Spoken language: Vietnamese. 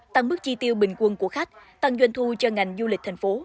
tăng mức chi tiêu bình quân của khách tăng doanh thu cho ngành du lịch thành phố